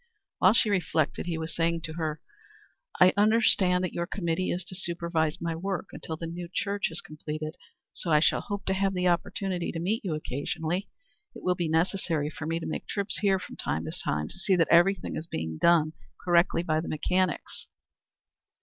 While she reflected, he was saying to her, "I understand that your committee is to supervise my work until the new church is completed, so I shall hope to have the opportunity to meet you occasionally. It will be necessary for me to make trips here from time to time to see that everything is being done correctly by the mechanics."